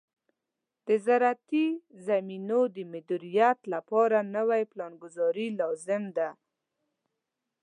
د زراعتي زمینو د مدیریت لپاره نوې پلانګذاري لازم ده.